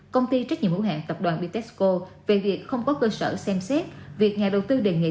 công ty trách nhiệm hữu hạng tập đoàn bitexco về việc không có cơ sở xem xét việc nhà đầu tư đề nghị